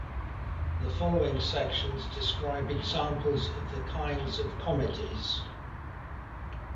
The following sections describe examples of the kinds of "Comites".